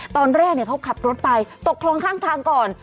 ตอนแรกเขาขับรถไปตกคลองข้างทางก่อน